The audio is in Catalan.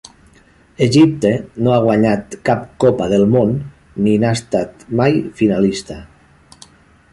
Egipte no ha guanyat cap Copa del Món, ni n'ha estat mai finalista.